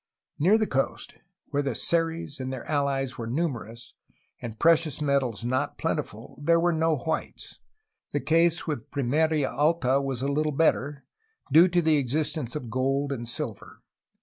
Near the coast, where the Seris and their allies were numerous, and precious metals not plentiful, there were no whites. The case with Pimeria Alta was a Uttle better, due to the existence of gold and silver.